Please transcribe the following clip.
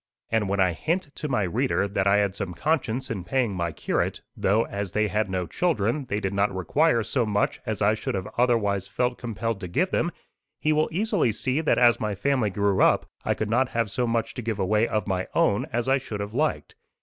And when I hint to my reader that I had some conscience in paying my curate, though, as they had no children, they did not require so much as I should otherwise have felt compelled to give them, he will easily see that as my family grew up I could not have so much to give away of my own as I should have liked.